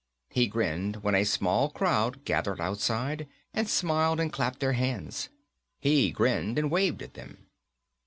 He grinned when a small crowd gathered outside and smiled and clapped their hands. He grinned and waved to them.